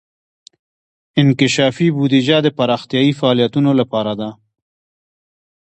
انکشافي بودیجه د پراختیايي فعالیتونو لپاره ده.